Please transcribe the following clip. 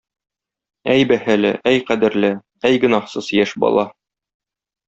Әй бәһале, әй кадерле, әй гөнаһсыз яшь бала!